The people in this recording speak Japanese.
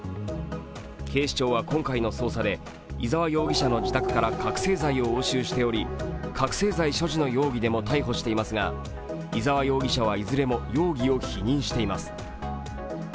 警視庁は今回の捜査で伊沢容疑者の自宅から覚醒剤を押収しており覚醒剤所持の容疑でも逮捕していますが、伊沢容疑者はいずれも容疑を否認しています。